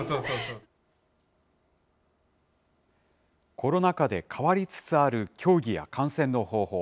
コロナ禍で変わりつつある競技や観戦の方法。